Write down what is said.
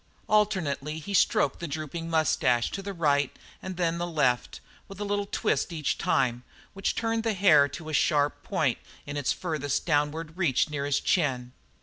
Alternately he stroked the drooping moustache to the right and then to the left, with a little twist each time, which turned the hair to a sharp point in its furthest downward reach near his chin.